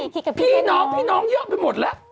พี่น้องพี่น้องเยอะไปหมดแล้ว